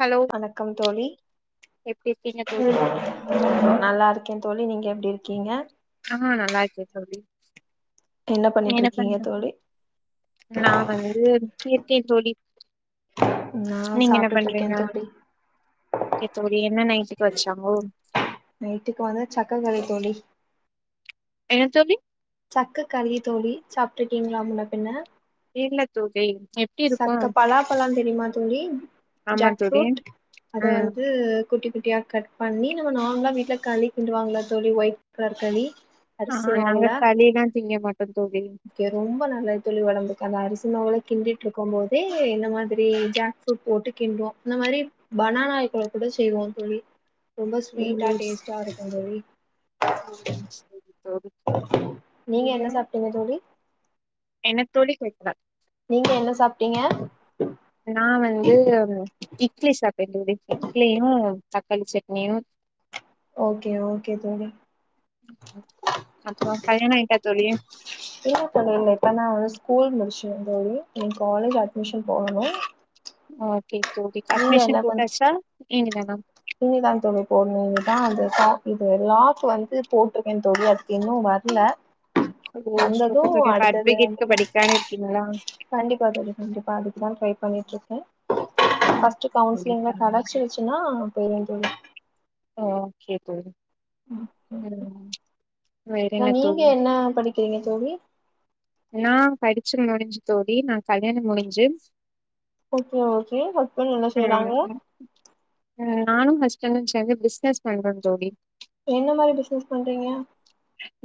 Hello வணக்கம் தோழி எப்டி இருக்கீங்க தோழி ம் நல்லாருக்கே தோழி நீங்க எப்டி இருக்கீங்க ஆஹா நல்லாருக்கே தோழி என்ன பண்ணிட்டு இருக்கீங்க தோழி நா வந்து இருக்கே தோழி நா நீங்க என்ன சாப்ட்டுட்டு இருக்கே பண்றீங்க தோழி ஓகே தோழி என்ன நைட்டுக்கு வச்சாங்கோ நைட்டுக்கு வந்து சக்க களி தோழி என்ன தோழி சக்ககளி தோழி சாப்ட்ருக்கீங்ளா முன்ன பின்ன இல்ல தோழி எப்டி இருக்கு சக்க பலாப்பழ தெரியுமா தோழி ஆமா ஜாக் தோழி ஃப்ரூட் அத ம் வந்து குட்டி குட்டியா கட் பண்ணி நம்ம நார்மலா வீட்ல களி கிண்டுவாங்கள தோழி ஒயிட் கலர் களி ஆ அரிசி நாங்க மாவுல களிலா திங்க மாட்டோ தோழி ரொம்ப நல்லது தோழி உடம்புக்கு அந்த அரிசி மாவுல கிண்டிட்டு இருக்கு போதே இந்த மாதிரி ஜாக் புரூட் போட்டு கிண்டுவோ அந்த மாரி பனானா [unintelligible] கூட செய்வோ தோழி ரொம்ப ஸ்வீட்டா ம் டேஸ்ட்டா இருக்கு தோழி சரி தோழி நீங்க என்ன சாப்ட்டீங்க தோழி என்ன தோழி கேட்க்ல நீங்க என்ன சாப்ட்டீங்க நா வந்து இட்லி சாப்ட்ட தோழி இட்லியு தக்காளி சட்னியு ஓகே ஓகே தோழி அப்றோ கல்யாண ஆயிட்டா தோழி என்னா பண்ணினு இப்ப நா வந்து ஸ்கூல் முடிச்ச தோழி இனி காலேஜ் அட்மிஷன் போடணு ஓகே தோழி நீங்க அட்மிஷன் போட்டாச்சா இனிமேதா இனிமே தா தோழி போட்ணு [unintelligible] லாக் வந்து போட்ருக்கே தோழி அது இன்னு வர்ல வந்தது அடுத்தது வந்து கண்டிப்பா தோழி கண்டிப்பா அதுக்குதா ட்ரை பண்ணிட்டு இருக்க ஃபர்ஸ்ட்டு கவுன்சிலிங்ல கெடைச்சிர்ச்சுன்னா போயிருவ தோழி ஓகே தோழி ஆனா ம் வேற என்ன தோழி எங்க தோழி நா படிச்சு முடிஞ்சு தோழி நா கல்யாணம் முடிஞ்சு ஓகே ஓகே ஹஸ்பண்ட் என்ன செய்றாங்க ம் நானு ஹஸ்பண்டு சேந்து பிசினஸ் பண்றோ தோழி என்ன மாரி பிசினஸ் பண்றீங்க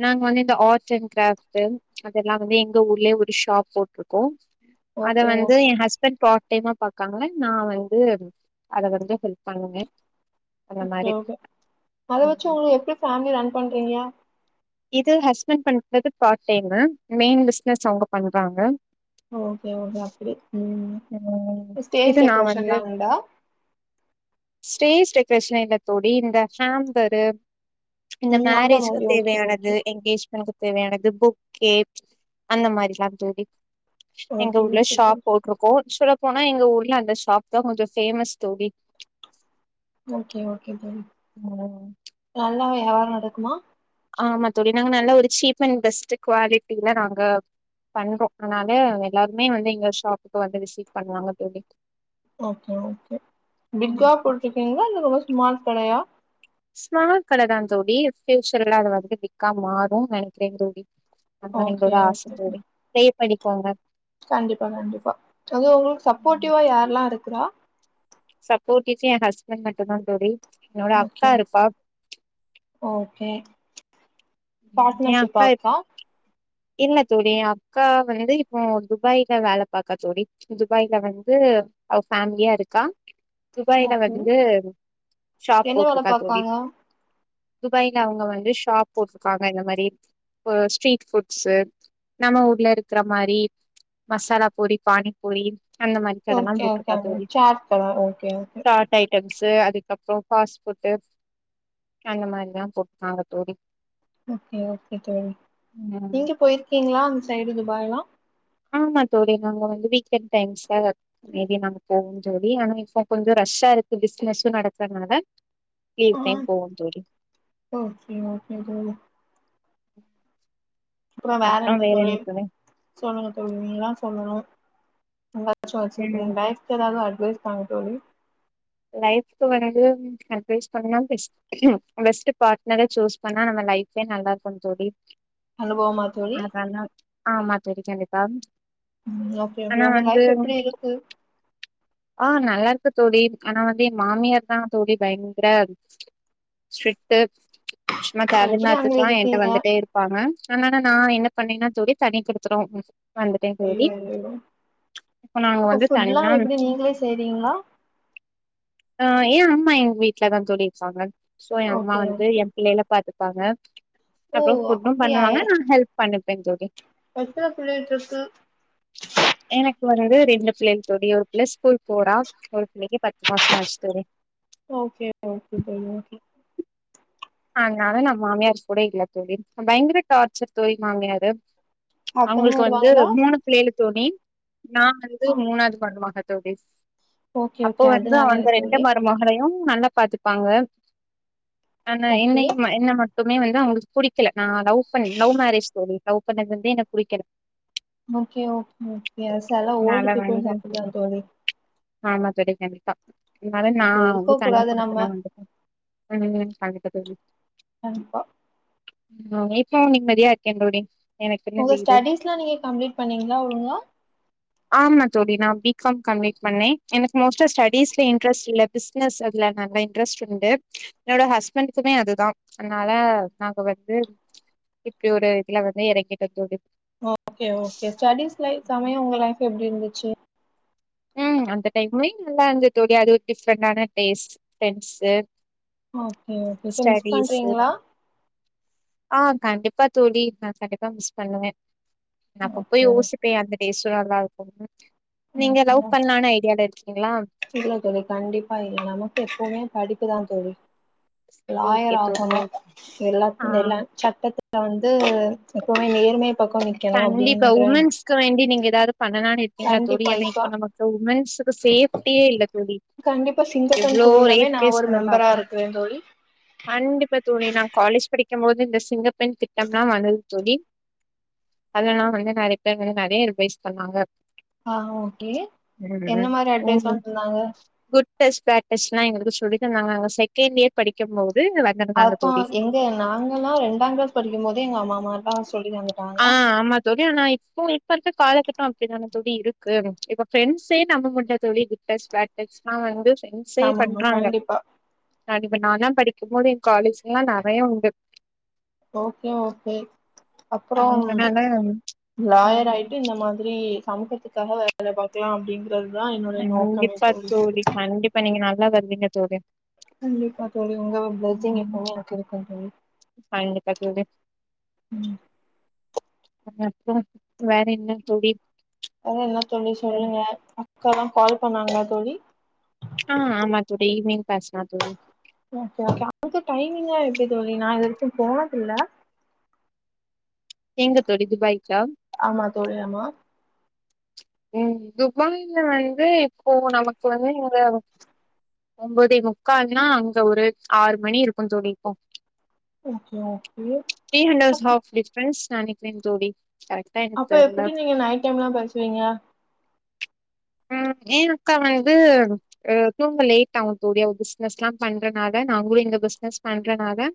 நாங்க வந்து இந்த ஆர்ட் அண்ட் கிராஃப்ட்டு அதெல்லா வந்து எங்க ஊர்லயே ஒரு ஷாப் போட்ருக்கோ அத ஓகே வந்து ஓகே என் ஹஸ்பண்ட் பாத் டைமா பாக்காங்க நா வந்து அத வந்து ஹெல்ப் பண்ணுவே அந்த ஓகே மாரி ஓகே அத வச்சு உங்கள எப்டி ஃபேமிலி ரன் பண்றீங்க இது ஹஸ்பண்ட் பண்றது பார்ட் டைமு மெயின் பிசினஸ் அவுங்க பண்றாங்க ஓகே ஓகே அப்டி ம் ம் இது ஸ்டேஜ் நா வந்து டெக்கரேஷன்லா உண்டா ஸ்டேஜ் டெக்கரேஷன்ல்லா இல்ல தோழி இந்த ஹேம்பரு இந்த ம் அந்த மேரேஜ்க்கு மாரி ஓகே தேவையானது ஓகே எங்கேஜ் மென்க்கு தேவையானது பொக்கே அந்த மாரில்லா தோழி எங்க ஓகே ஊர்ல ஓகே ஷாப் தோழி போட்டுருக் ககோ சொல்லப் போனா எங்க ஊர்ல அந்த ஷாப்தா கொஞ்சோ ஃபேமஸ் தோழி ஓகே ஓகே தோழி ம் நல்லா யாவாரோ நடக்குமா ஆமா தோழி நாங்க நல்லா ஒரு சீப் அண்ட் பெஸ்ட்டு குவாலிட்டில நாங்க பண்றோ அதனால எல்லாருமே வந்து எங்க ஷாப்புக்கு வந்து விசிட் பண்ணுவாங்க தோழி ஓகே ஓகே ம். பிக்கா போட்டிருக்கீங்களா இல்ல ரொம்ப ஸ்மால் கடையா ஸ்மால் கடதா தோழி ஃபியூச்சர்ல அது வந்து பிக்கா மாறுன்னு நெனைக்கிறே தோழி அதா ஓகே எங்களோட ஆச ஓகே தோழி ப்ரே பண்ணிக்கோங்க கண்டிப்பா கண்டிப்பா அது உங்களுக்கு சப்போர்ட்டிவா யாரெல்லா இருக்குறா சப்போர்டிஸே என் ஹஸ்பண்ட் மட்டுந்தான் தோழி என்னோட ஓகே அக்கா இருப்பா ஓகே என் அக்கா இப் பாட்னர்ஷிப்பாக்கா இல்ல தோழி என் அக்கா வந்து இப்போ துபாய்ல வேல பாக்கா தோழி துபாய்ல வந்து அவ ஃபேமிலியா இருக்கா துபாய்ல ஓகே. வந்து ஷாப் என்ன வேல போட்டிருக்கா தோழி பாக்காங்க? துபாய்ல அவுங்க வந்து ஷாப் போட்டிருக்காங்க இந்த மாரி ஒரு ஸ்ட்ரீட் ஃபுட் [unintelligible] நம்ம ஊர்ல இருக்கிற மாரி மசாலாப்பூரி பானிப்பூரி அந்த மாரி கடல்லா ஓகே, ஓகே. போட்டிருக்கா அந்த தோழி சேர் கடை. Okay, okay. Chaat items அதுக்கப்புறோ ஃபாஸ்ட் ஃபுட்டு அந்த மாரில்லா போட்ருக்காங்க தோழி ஓகே ஓகே தோழி ம் நீங்க போயிருக்கீங்களா அந்த சைடு துபாய்லா ஆமா தோழி நாங்க வந்து வீக்கெண்ட் டைம்ஸ்லா வந் மேபீ நாங்க போவோ தோழி ஆனா இப்ப கொஞ்சோ ரஷ்ஷா இருக்கு பிசினஸ்ஸு நடக்கறதுனால ஃப்யு ஆ. டைம் போவோ தோழி ஓகே ஓகே தோழி அப்புறோ வேற என்ன தோழி சொல்லுங்க தோழி நீங்கதா சொல்லணு எதாச்சு ம் வச்சிருப்பீங்கலே எதாது அட்வைஸ் பன்னுங்க தோழி லைஃப்க்கு வந்து அட்வைஸ் பண்ணா பெஷ் ட் பெஸ்ட்டு பாட்னர சூஸ் பண்ணா நம்ம லைஃப்பே நல்லா இருக்குனு தோழி அனுபவமா தோழி? அதெல்லா ஆமா தோழி கண்டிபா ம் ஓகே ஓகே உங்க லைஃப் எப்புடி இருக்கு ஆ நல்லா இருக்கு தோழி ஆனா வந்து என் மாமியார்தா தோழி பயங்கர ஸ்ட்ரிக்ட் டு சும்மா தேவ எப்படி அங்க இல்லாததுக்கெல்லா என்ட்ட இருக்கீங்க? வந்துட்டே இரு ப்பாங்க ஆனா நா என்ன பண்ணேன்னா தோழி தனிக்குடித்தனோ வந்துட்டே தோழி ஐயோ! ஐயோ! இப்ப நாங்க அப்ப வந்து ஃபுட்லா தனியா எப்டி நீங்களே செய்றீங்களா ஆ ஏ அம்மா எங்க வீட்டுலதா தோழி இருக்காங்க சோ ஏ அம்மா ஓகே வந்து ஓகே ஏ பிள்ளையில பாத்துப்பாங்க ஓ அப்பறோ ஃபுட்டு அப்டியா பண்ணுவாங்க எ நா ஹெல்ப் பண்ணிவே தோழி எத்தன பிள்ளைட்டு இர்க்கு எனக் மறுபுடியு ரெண் லட்பிள்ளைங் தோழி ஒரு பிள்ள ஸ்கூல் போறா ஒரு பிள்ளைக்கு பத்து மாச ஆச் தோழி ஓக்கே ஓக்கே தோழி ஓக்கே அனால நா மாமியாரு கூட இல்ல தோழி பயங்கர டார்ச்சர் தோழி மாமியாரு அக்காங்க அவுங்களுக்கு வந்து வருவாங்களா மூணு பிள்ளைகளுதோழி நா வந்து ஆ மூணாது மருமக தோழி ஓகே அப்போ ஓகே வந்து அதனாலயா வந்த ரெண்டு தோழி மருமகளையு நல்ல பாத்துப்பாங்க ஆனா ஓகே என்னைமா என்ன ம எப்பமே வந்து அவுங்களுக்கு புடிக்கல நா லவ் பண்ண லவ் மேரேஜ் தோழி லவ் பண்ணதுவந்து எனக் புடிக்கல ஓக்கே ஓக்கே எஸ் அதலா ஓல்டு பீப்பள்ஸ் அப்புடிதா தோழி ஆம்மா தோழி கண்டிப்பா அனால நா அப்டி வந்து இருக்க தணி கூடாது நம்ம குடுத்தன வந்துட்ட ம் கண்டிப்பா தோழி கண்டிப்பா அ இப்போ நம்மதியாருக்கே தோழி எனக்குன்னு உங்க வீடு ஸ்டடீஸ்ல்லா நீங்க கம்ப்ளீட் பண்ணீங்களா ஒழுங்கா ஆம்மா தோழி நா பி காம் கம்ப்லீட் பண்ணே எனக் மோஸ்ட்டா ஸ்டடீஸ்ல இன்ட்ரெஸ்ட் இல்ல பிஸ்னஸ் அதுல நல்ல இன்டரஸ்ட் உண்டு என்னோட ஹஸ் பெண்க்குமே அதுதா அத்னால நாங்க வந்து இப்டி ஒரு இதுல வந்து எறங்கிட்ட தோழி ஓக்கே ஓக்கே ஸ்டடிஸ்ல சமய உங்க லைஃப் எப்டிருந்துச்சு ம் அந்த டைம்லயு நல்ல இர்ந்து தோழி அது டிஃப்ரெண்டான டேஸ்ட் ஃப்ரென்ஸ்ஸு ஓக்கே ஓக்கே இப்ப மிஸ் பண்றீங்களா ஆ கண்டிப்பா தோழி அ கண்டிப்பா மிஸ் பண்ணுவே நா அப்பப்ப ஓகே யோசிப்பே அந்த டேஸ்ஸுவு நல்லாருக்கும்னு ஓகே நீங்க ஓகே. லவ் னான ஐடியா இருக்கீங்களா இல்ல தோழி கண்டிப்பா இல்ல நமக்கு எப்பவுமே படிப்புதா தோழி ஓகே லாயர் தோழி ஆகனு எல்லாத் ஆ எல்லா சட்டத்துல வந்து எப்பவுமே நேர்மை பக்கொ நிக் கண்டிப்பா உமென்ஸ்க்கு வேண்டி நீங்க ஏதாவது பண்ணலான்னு கிங்ளா தோழி கண்டிப்பா என்னா இப்ப இப்போ நமக்கு உமன்ஸுக்கு சேஃப்டியே இல்ல தோழி கண்டிப்பா சிங்கப்பெண் எவ்ளோ குழுலாமே ரேப் நா கேஸ் ஒரு நம்ம மெம்பரா பாப்போ இருக்கிறே தோழி கண்டிப்பா தோழி நான் காலேஜ் படிக்கும்போது இந்த சிங்கப்பெண் திட்டம்லா வந்தது தோழி அதலலா வந்து நெறைய பேர் வந்து நறைய ரிவைஸ் பண்ணாங்க ஆ ஓக்கே என்ன ம் மாரி நீங்க அட்வைஸ்லா தந்தாங்க குட் டச் பேட் டச்லா எங்களுக்கு சொல்லித்தந்தாங்க நாங்க செக்கெண்ட் யேர் படிக்கம்போது வர் ஆத்தோ எங்க நாங்கல்லா ரெண்டாங்கிளாஸ் படிக்கும்மோதே எங்க அம்மாமார்ல்லா சொல்லிதந் ஆ ஆம்மா தோழி ஆனா இப்போ இப்ப இருக்க காலகட்டொ அப்டிதான தோழி இருக்கு இப்ப பிரெண்ட்ஸே நம்பமுட்ல தோழி குட்டச் பேட்டச்லா வந்து சென் சே ஆமாமா பண்றாங்க கண்டிப்பா அதுக்கு நால்லா படிக்கும்மோதெ என் காலேஜ்க்குலா நறைய உண்டு ஓக்கே ஓக்கே அப்புறோ ம் அதனால லாயர் ம் ஆயிட்டு இந்த மாதிரி சமூகத்துக் க்காக வேல பாக்கலா அப்படிங்றதுதா என்னுடைய நோக்கமே தோழி கண்டிப்பா நீங்க நல்லாவர்வீங்க தோழி கண்டிப்பா தோழி உங்க ஒரு ப்ளெஸ்சிங் ம் எப்பவுமே எனக்கு இருக்கு தோழி கண்டிப்பா தோழி ம் அப்றோ வேற என்ன தோழி வேற என்ன தோழி அ சொல்லுங்க அக்காலா கால் பண்ணாங்களா தோழி ஆ ஆமா தோழி ஈவி்னிங் பேசனா தோழி ஓகே ஓகே அதுக்கு டைமிங்லா எப்டி தோழி நா இதுவரைக்கு போனதில்ல எங்க தோழி துபாய்க்கா ஆமா தோழி ஆமா ம் துபாய்ல வந்து இப்போ நமக்கு வந்து இங்க ஒம்போதே முக்கால்ன்னா அங்க ஒரு ஆறு மணி இருக்கு தோழி இப்போ okay okay three hundreds half difference நெனைக்கிறே தோழி கரெக் அப்ப எப்டி நீங்க நைட் டைம்லா பேசுவீங்க ம் [unintelligible] வந்து ஆ தூங்க லேட்டாவு தோழி அவு பிசினஸ்ஸுல்லா பண்றனாலா நாங்களு இந்த பிசினஸ் பண்றனால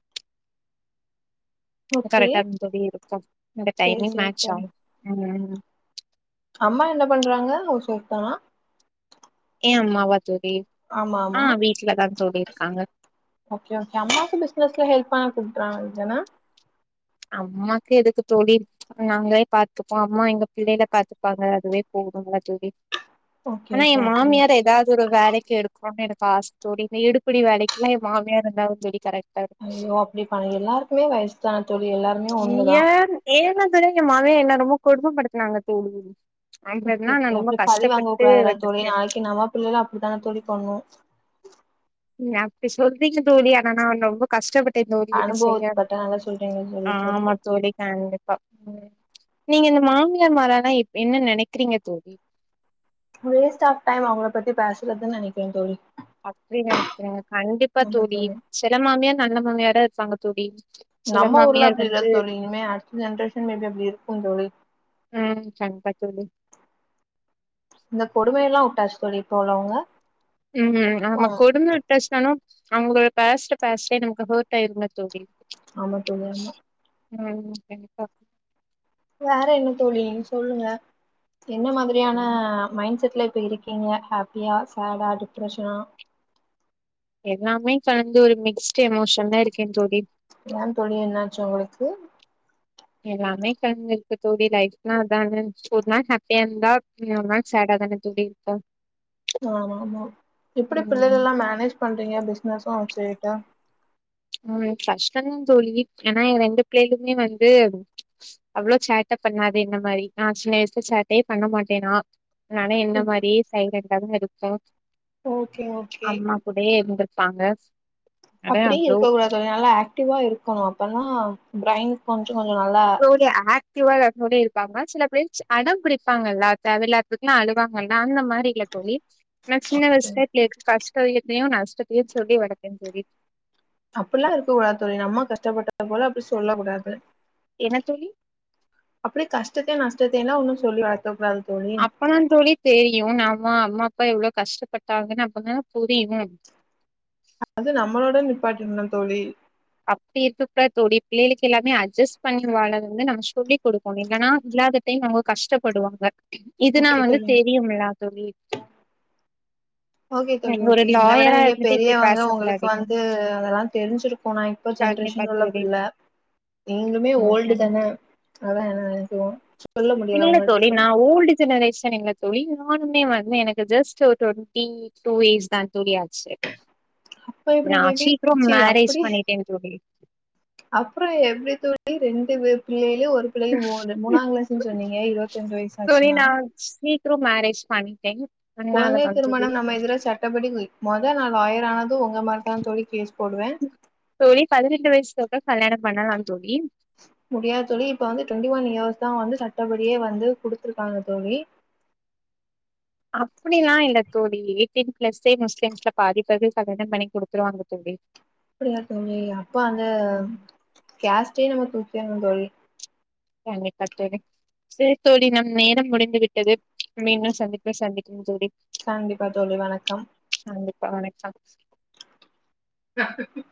ஓகே கரெக்டா தா தோழி இருக்கு அந்த சேரி டைங் சேரி மேட்ச் தோழி ஆகு ம் ம் அம்மா என்ன பண்றாங்க ஹவுஸ் வைஃப் தானா ஏ அம்மாவா தோழி ஆமா ஆ ஆமா வீட்டுலதா தோழி இருக்காங்க ஓகே ஓகே அம்மாக்கு பிசினஸ்ல ஹெல்ப் பண்ண கூப்ட்றாங்கதானா அம்மாக்கு எதுக்கு தோழி நாங்களே பாத்துப்போ அம்மா எங்க பிள்ளைல பாத்துப்பாங்க அதுவே போதும்லா தோழி ஓகே ஆனா எ ஓகே அப்டியா மாமியார் எதாவ்து ஒரு வேலைக்கு எடுக்கனும்னு எனக்கு ஆச தோழி எடுப்புடி வேலைக்லா என் மாமியார் இருந்தாதா தோழி கரெக் கரெக்ட்டு புடிப்பாங்க எல்லார்க்குமே வய்சு தான தோழி எல்லார்க் நீங்க வேற என்னு தெர்ல எ மாமியா என்ன ரொம்ப கொடுமபடுத்தினாங்க தோழி அங்கருந்துனா நா ரொம்ப அப்டி கஷ்டப்பட்டு வந்திருக்கே பிள்ளலா அப்டிதான தோழி பண்ணு நீங்க அப்டி சொல்றீங்க தோழி ஆனா நா ரொம்ப கஷ்டப்பட்டே தோழி என்ன செய்ய அனுபவப்பட்ட நல்லா சொல்றீங்க தோழி இட்ஸ் ஆமா ஓகே தோழி கண்டிப் பா நீங்க இந்த மாமியார்மாரேல்லா இப் என்ன நெனைக்கிறீங்க தோழி வேஸ்ட் ஆஃப் டைம் அவுங்கள பத்தி பேசுறதுன்னு நெனைக்கிறே தோழி அப்டி நெனைக்கிற கண்டிப்பா தோழி செல மாமியார் நல்ல மாமியார இருப்பாங்க தோழி சில நம்ம ஊர்ல மாமியார் அப்டி வந்து இல்லத் தோழி இனிமே அடுத்த ஜென்ரேஷன் மேபி அப்டி இருக்கு தோழி ம் கண்டிப்பா தோழி இந்த கொடுமையெல்லா உட்டாச்சு தோழி இப்ப உள்ளவங்க ம் ம் ஆமா கொடும விட்டாச்சுனாலு அவுங்களோ பேஸ்ட பேஸ்டே நமக்கு ஹேட் ஆய்டுமே தோழி ஆமா தோழி ஆமா ம் ம் கண்டிப்பா வேற என்ன தோழி நீங்க சொல்லுங்க என்ன மாதிரியான ம் மைண்ட் செட்ல இப்ப இருக்கீங்க ஹாப்பியா சேடா டிப்ரெஷனா எல்லாமே கலந்து ஒரு மிக்ஸ்ட்டு எமோஷன்ல இருக்கே தோழி ஏ தோழி என்னாச்சு ஒங்களுக்கு எல்லாமே கழந்திருக்கு தோழி லைஃப்னா அதான ஒரு நாள் ஹேப்பியா இருந்தா இன்னொரு நாள் சேட்டாதான தோழி இர்க்கு ஆமா ஆமா எப்டி பிள்ளைகள் எல்லா மேனேஜ் பண்றீங்க பிஸ்னஸ்லா வச்சுக்கிட்டா ம் கஸ்டதா தோழி ஏனா ஏ ரெண்டு பிள்ளையலுமே வந்து அவ்ளோ சேட்ட பண்ணாது என்ன மாரி நா சின்ன வயசுல சேட்டையே பண்ண மாட்டேனா நானே என்ன ம், மாரியே சைலண்டதா இருக்கு ஓகே ஓகே கூடையே இருந்திருப்பாங்க அட அப்டியு அவ்ளோ இருக்க கூடாது தோழி நல்லா ஆக்டிவா இருக்கணு அப்பனா பிரைன் கொஞ்ச கொஞ்ச நல்லா தோழி ஆக்டிவாதா தோழி இருப்பாங்க சில பிள்ளைஸ் அடம் பிடிப்பாங்கல்ல தேவையில்லாதுக் இல்லனா அழுவாங்கல்ல அந்த மாரில தோழி நா சின்ன விஷயத்துல கஷ்டம்த்தையு நஷ்டத்தையு சொல்லி வளத்தே தோழி அப்டிலா இருக்ககூடாது தோழி நம்ம கஷ்டப்பட்டது போல அப்டி சொல்லக் கூடாது என்ன தோழி அப்டி கஷ்டத்தையு நஷ்டத்தையு எல்லா ஒன்னு சொல்லி வளத்தக் கூடாது தோழி அப்பதா தோழி தெரியு நாம அம்மா அப்பா எவ்ளோ கஷ்டப்பட்டாங்கன்னு அப்பதான புரியு அது நம்மளோட நிப்பாட்டிடனு தோழி அப்டி இருக்க கூட தோழி பிள்ளைகளுக்கு எல்லாமே அச்ஜஸ்ட் பண்ணி வாழனுனு நாம சொல்லி குடுக்குணு இல்லன்னா இல்லாத டைம் அவங்க கஷ்டப்படுவாங்க இதுனா ஓகே வந்து தோழி தெரியும்லா தோழி ஓகே தோழி நீங்க ஒரு ஓகே என்ன விட லாயரா நீங்க இருந்துட்டு இப்டி பெரியவங்க உங்களுக்கு பேசக்கூடாதுங்க வந்து அதெல்லா தெரிஞ்சிருக் போனா இப்ப கண்டிப்பா ஜென்ரேஷன் உள்ள தோழி பிள்ள நீங்களுமே ம் ஓல்டு கண்டி- தான அத என்னா நெனைக்றோ இல்ல தோழி நா ஓல்டு ஜெனரேஷன் இல்ல தோழி நானுமே வந்து எனக்கு ஜெஸ்ட் ஒரு டொண்ட்டி டூ இஸ் தா தோழி ஆச்சி அப்ப எப்டி நா பேபி சீக்கிரம் சி மேரேஜ் பண்ணிட்டே தோழி அப்பற எப்டி தோழி ரெண்டு வே பிள்ளையிலு ஒரு பிள்ளைய மோடு மூணா கிளாஸ்ன்னு சொன்னீங்க இருவத்தி அஞ்சு வயசு ஆச்சுன்னா ஸ்வீட் ட்ரூ மேரேஜ் பண்ணிகிட்டங் குழந்தை திருமணம் நம்ம எதிரா சட் டப்படி மொத நா லாயர் ஆனது உங்க மேலதா தோழி கேஸ் போடுவே தோழி பதினெண்டு வயசுக்கப்பற கல்யாணம் பண்ணலா தோழி முடியாது தோழி இப்ப வந்து டொண்ட்டி ஒன் இயர்ஸ் தா வந்து சட்டப்படியே வந்து குடுத்துருக்காங்க தோழி அப்டிலா இல்ல தோடழி எயிட்டின் பிளஸ்ஸே முஸ்லிம்ஸ்ல பாதிப் பேருக்கு கல்யாணம் பண்ணி குடுத்துருவாங்க தோழி அப்டியா தோழி அப்ப அந்த ம் கேஸ்டே நம்ம தூக்கிர்னு தோழி கண்டிப்பா தோழி சேரி தோழி நம் நேரம் முடிந்து விட்டது மீண்டும் சந்திப்ப சந்திக்கு தோழி கண்டிப்பா தோழி வணக்கம் கண்டிப்பா வணக்கம் [inaudible]